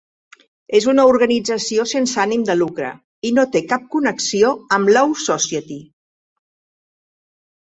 És una organització sense ànim de lucre, i no té cap connexió amb Law Society.